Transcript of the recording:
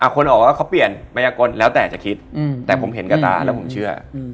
คนออกว่าเขาเปลี่ยนมายากลแล้วแต่จะคิดแต่ผมเห็นกับตาแล้วผมเชื่อ